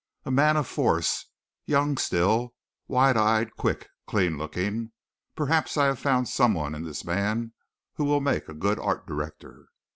"A man of force. Young still, wide eyed, quick, clean looking. Perhaps I have found someone in this man who will make a good art director."